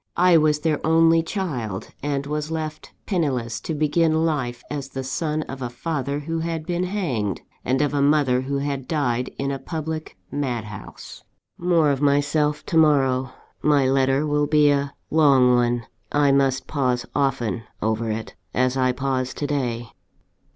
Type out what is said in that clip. I was their only child; and was left penniless to begin life as the son of a father who had been hanged, and of a mother who had died in a public madhouse. "More of myself to morrow my letter will be a long one: I must pause often over it, as I pause to day."